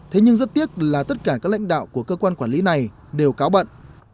thế nhưng rất tiếc là tất cả các lãnh đạo của cơ quan quản lý này đều cáo bận